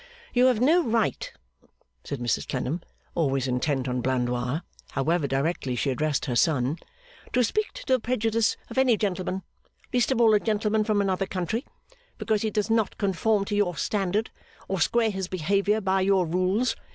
'You have no right,' said Mrs Clennam, always intent on Blandois, however directly she addressed her son, 'to speak to the prejudice of any gentleman (least of all a gentleman from another country), because he does not conform to your standard, or square his behaviour by your rules.